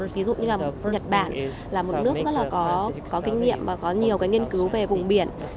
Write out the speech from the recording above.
ví dụ như là nhật bản là một nước rất là có kinh nghiệm và có nhiều cái nghiên cứu về vùng biển